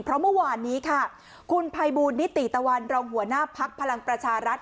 เพราะเมื่อวานนี้ค่ะคุณภัยบูลนิติตะวันรองหัวหน้าภักดิ์พลังประชารัฐ